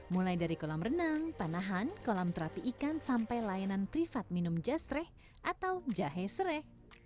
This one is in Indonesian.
mulai dari kolam renang panahan kolam terapi ikan sampai layanan privat minum jasreh atau jahe sereh